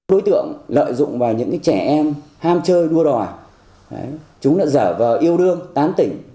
đối tượng lợi dụng vào những trẻ em ham chơi đua đòi chúng đã dở vờ yêu đương tán tỉnh